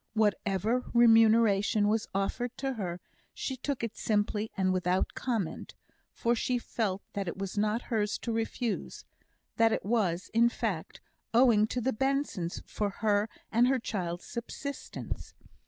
Whatever remuneration was offered to her, she took it simply and without comment; for she felt that it was not hers to refuse; that it was, in fact, owing to the Bensons for her and her child's subsistence.